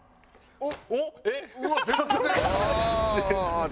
おっ！